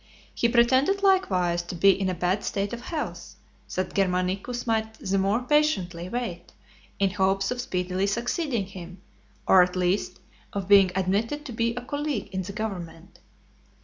He pretended likewise to be in a bad state of health, that Germanicus might the more patiently wait in hopes of speedily succeeding him, or at least of being (210) admitted to be a colleague in the government.